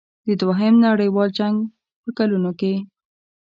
د دوهم نړیوال جنګ په کلونو کې.